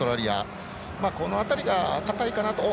この辺りが硬いかなと。